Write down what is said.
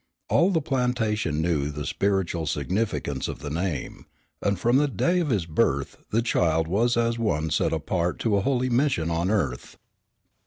All the plantation knew the spiritual significance of the name, and from the day of his birth the child was as one set apart to a holy mission on earth.